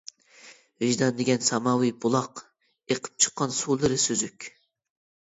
ۋىجدان دېگەن ساماۋى بۇلاق، ئېقىپ چىققان سۇلىرى سۈزۈك.